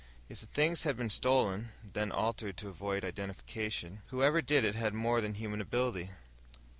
If the things had been stolen, then altered to avoid identification, whoever did it had more than human ability.